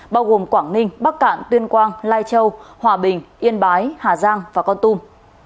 bao gồm quảng ninh bắc cạn tuyên quang lai châu hòa bình yên bái hà giang và con tum